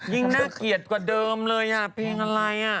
ยิ่งน่าเกลียดกว่าเดิมเลยเพลงอะไร